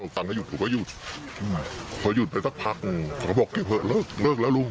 ตังให้หยุดหยุดหยุดไปสักพักพอบอกเก็บเถอะเลิกเลิกแล้วลุง